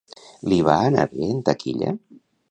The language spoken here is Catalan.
Li va anar bé en taquilla?